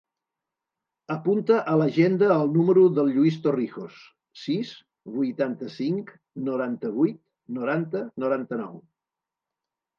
Apunta a l'agenda el número del Lluís Torrijos: sis, vuitanta-cinc, noranta-vuit, noranta, noranta-nou.